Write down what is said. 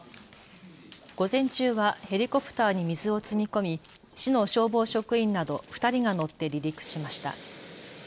午前中はヘリコプターに水を積み込み市の消防職員など２人が乗って離陸しました。